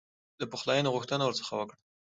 د پخلایني غوښتنه ورڅخه وکړه.